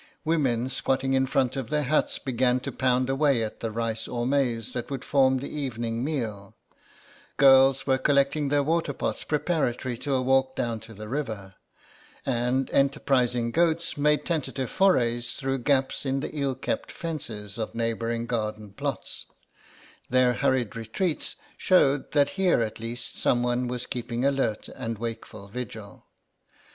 Women, squatting in front of their huts, began to pound away at the rice or maize that would form the evening meal, girls were collecting their water pots preparatory to a walk down to the river, and enterprising goats made tentative forays through gaps in the ill kept fences of neighbouring garden plots; their hurried retreats showed that here at least someone was keeping alert and wakeful vigil.